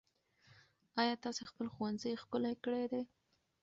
ايا تاسې خپل ښوونځی ښکلی کړی دی؟